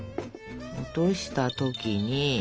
落とした時に。